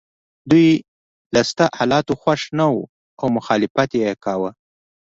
دوی له شته حالاتو خوښ نه وو او مخالفت یې کاوه.